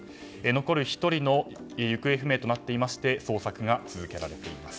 残る１人が行方不明となっていまして捜索が続けられています。